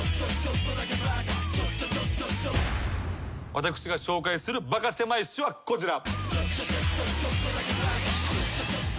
私が紹介するバカせまい史はこちら。